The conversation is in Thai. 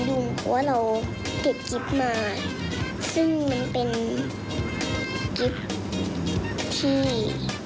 เพราะว่าเราติดกริปมาซึ่งมันเป็นกริปที่